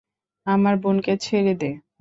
আমার বোনকে ছেড়ে দে!